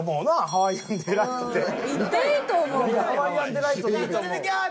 ハワイアンデライトいこう。